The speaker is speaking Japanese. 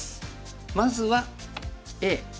まずはＡ。